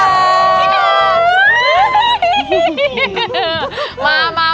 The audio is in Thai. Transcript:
สวัสดีค่ะสวัสดีค่ะ